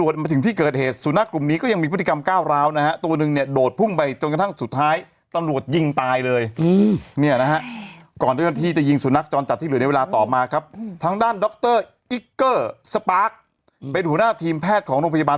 สปาร์คเป็นหุ้นหน้าทีมแพทย์ของโรงพยาบาล